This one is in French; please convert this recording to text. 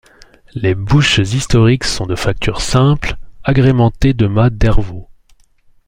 Les bouches historiques sont de facture simple, agrémentées de mâts Dervaux.